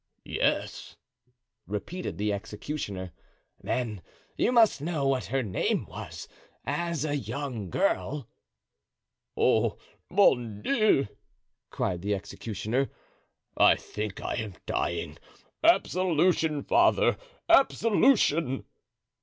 "Yes," repeated the executioner. "Then you must know what her name was as a young girl." "Oh, mon Dieu!" cried the executioner, "I think I am dying. Absolution, father! absolution."